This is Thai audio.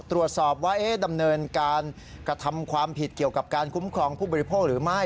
ตรวจสอบว่าดำเนินการกระทำความผิดเกี่ยวกับการคุ้มครองผู้บริโภคหรือไม่